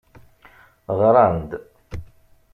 Ɣran-d.